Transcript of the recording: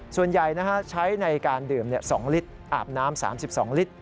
ส่วนใหญ่ใช้ในการดื่ม๒ลิตรอาบน้ำ๓๒ลิตร